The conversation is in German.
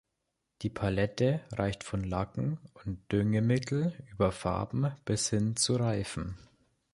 Die Palette reicht von Lacken und Düngemittel über Farben bis hin zu Reifen.